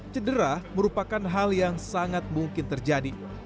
cedera merupakan hal yang sangat mungkin terjadi